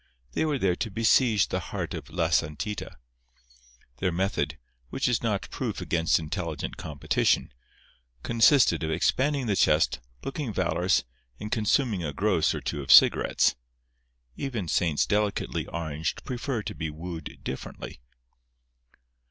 They were there to besiege the heart of "La Santita." Their method (which is not proof against intelligent competition) consisted of expanding the chest, looking valorous, and consuming a gross or two of cigarettes. Even saints delicately oranged prefer to be wooed differently.